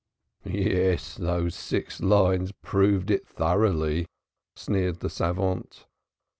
"Yes, those six lines proved it thoroughly," sneered the savant.